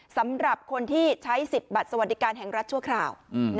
สำหรับคนที่ใช้สิทธิ์บัตรสวัสดิการแห่งรัฐชั่วคราว